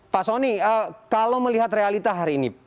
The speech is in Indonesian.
pak soni kalau melihat realita hari ini